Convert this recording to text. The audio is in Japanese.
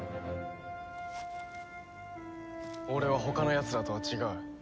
俺は他のやつらとは違う。